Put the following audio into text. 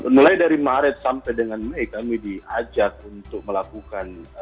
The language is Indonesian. mulai dari maret sampai dengan mei kami diajak untuk melakukan